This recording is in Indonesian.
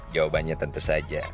jawabannya tentu saja